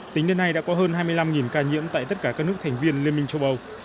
tính đến nay đã có hơn hai mươi năm ca nhiễm tại tất cả các nước thành viên liên minh châu âu